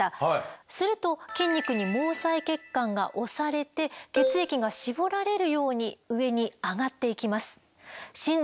すると筋肉に毛細血管が押されて血液が絞られるように上に上がっていきます。